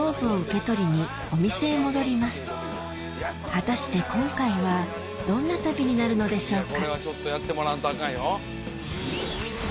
ここから果たして今回はどんな旅になるのでしょうか？